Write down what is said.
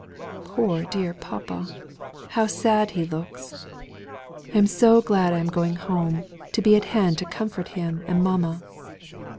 Poor dear papa! how sad he looks! I am so glad I am going home, to be at hand to comfort him and mamma."